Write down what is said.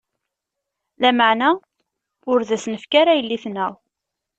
-Lameɛna ur d as-nefki ara yelli-tneɣ.